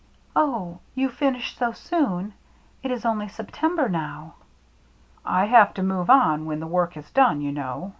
" Oh, you finish so soon ? It is only Sep tember now." " I have to move on when the work is done, you know.